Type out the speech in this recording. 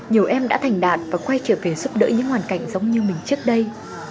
nhiều em đã thành đạt và quay trở về giúp đỡ những hoàn cảnh giống như mình trước đây